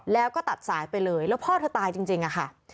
แล้วก็ตัดสายไปเลยแล้วพ่อเธอตายจริงอะค่ะ